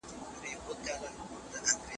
تیری کوونکی به د قانون منګولو ته وسپارل سي.